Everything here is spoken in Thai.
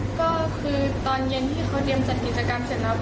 ก็คือตอนเย็นที่เขาเตรียมจัดกิจกรรมเสร็จแล้ว